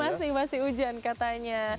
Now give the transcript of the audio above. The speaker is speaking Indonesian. masih masih hujan katanya